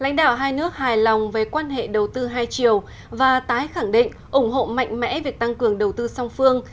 lãnh đạo hai nước hài lòng về quan hệ đầu tư hai chiều và tái khẳng định ủng hộ mạnh mẽ việc tăng cường đầu tư song phương